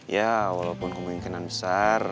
ya walaupun kemungkinan besar